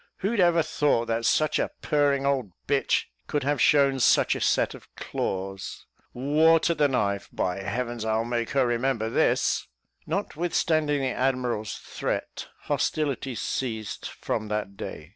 Who'd ever thought that such a purring old b h could have shown such a set of claws! War to the knife! By heavens, I'll make her remember this." Notwithstanding the admiral's threat, hostilities ceased from that day.